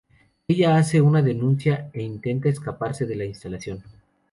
Ella hace una denuncia e intenta escaparse de la instalación.